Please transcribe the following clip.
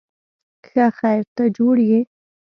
ښه خیر، ته جوړ یې؟